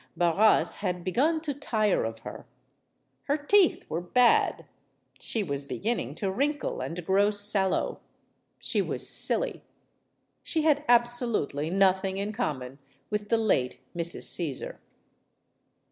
Barras had begun to tire of her. Her teeth were bad; she was beginning to wrinkle and grow sallow; she was silly; she had absolutely nothing in common with the late Mrs. Caesar.